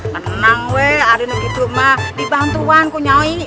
maknang weh ada yang gitu mah dibantuanku nyai